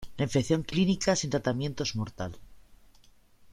La infección clínica sin tratamiento es mortal.